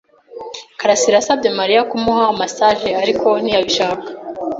karasira yasabye Mariya kumuha massage, ariko ntiyabishaka.